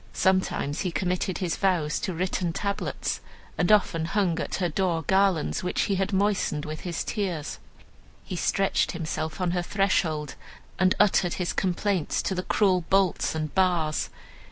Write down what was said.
Sometimes he committed his vows to written tablets, and often hung at her door garlands which he had moistened with his tears. He stretched himself on her threshold, and uttered his complaints to the cruel bolts and bars.